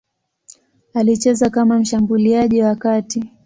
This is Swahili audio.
Alicheza kama mshambuliaji wa kati.